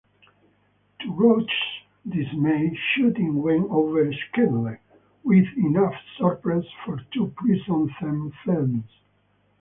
To Roach's dismay, shooting went over schedule, with enough surplus for two prison-themed films.